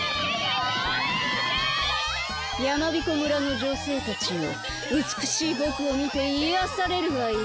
やまびこ村のじょせいたちようつくしいぼくをみていやされるがいい！